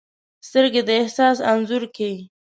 سترګې د احساس انځور کښي